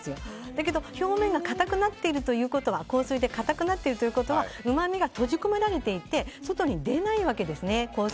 だけど、表面が硬水で硬くなっているということはうまみが閉じ込められていて外に出ないわけですね。